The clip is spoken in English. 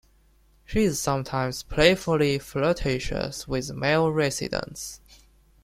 She is sometimes playfully flirtatious with male residents.